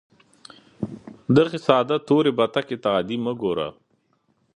دغې ساده تورې بتکې ته عادي مه ګوره